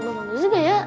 udah gak bisa gak ya